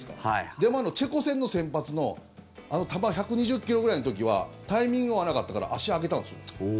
で、チェコ戦の先発のあの球、１２０ｋｍぐらいの時はタイミングが合わなかったから足上げたんですよ。